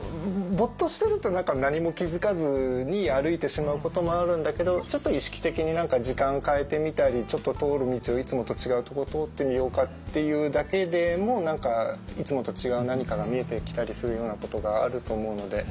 ぼーっとしてると何か何も気付かずに歩いてしまうこともあるんだけどちょっと意識的に時間変えてみたりちょっと通る道をいつもと違うとこ通ってみようかっていうだけでも何かいつもと違う何かが見えてきたりするようなことがあると思うので。